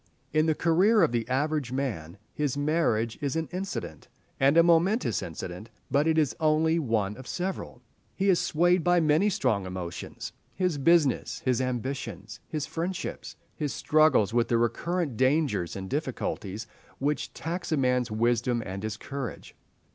In the career of the average man his marriage is an incident, and a momentous incident; but it is only one of several. He is swayed by many strong emotions—his business, his ambitions, his friendships, his struggles with the recurrent dangers and difficulties which tax a man's wisdom and his courage.